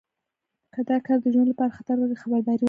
که دا کار د ژوند لپاره خطر ولري خبرداری ورکړئ.